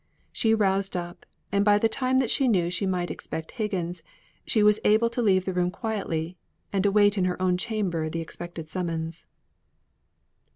She roused up; and by the time that she knew she might expect Higgins, she was able to leave the room quietly, and await in her own chamber the expected summons.